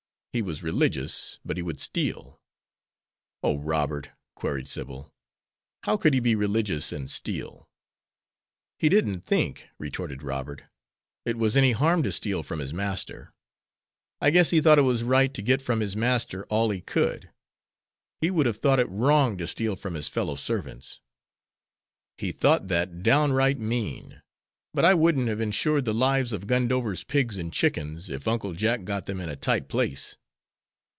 He was religious, but he would steal." "Oh, Robert," queried Sybil, "how could he be religious and steal?" "He didn't think," retorted Robert, "it was any harm to steal from his master. I guess he thought it was right to get from his master all he could. He would have thought it wrong to steal from his fellow servants. He thought that downright mean, but I wouldn't have insured the lives of Gundover's pigs and chickens, if Uncle Jack got them in a tight place.